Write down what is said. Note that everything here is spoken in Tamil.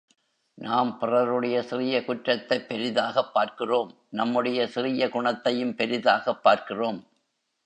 நாம் பிறருடைய சிறிய குற்றத்தைப் பெரிதாகப் பார்க்கிறோம் நம்முடைய சிறிய குணத்தையும் பெரிதாகப் பார்க்கிறோம்.